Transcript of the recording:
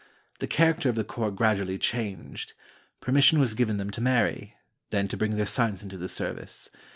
The character of the corps gradually changed. Permis sion was given them to marry, then to bring their sons into the service.